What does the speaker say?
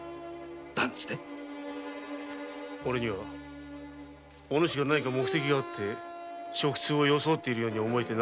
断じておれにはお主が何か目的があって食通を装っているように思えてならんのだ。